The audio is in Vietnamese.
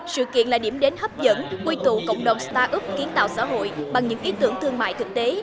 sự kiện là điểm đến hấp dẫn quy tụ cộng đồng start up kiến tạo xã hội bằng những ý tưởng thương mại thực tế